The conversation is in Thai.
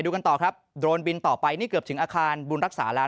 กันต่อครับโดรนบินต่อไปนี่เกือบถึงอาคารบุญรักษาแล้ว